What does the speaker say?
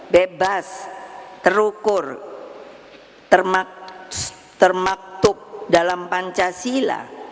bebas terukur termaktub dalam pancasila